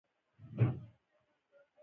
انسان د کیسې له لارې نظم جوړوي.